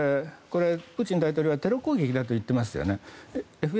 プーチン大統領はこれはテロ攻撃だと言っています。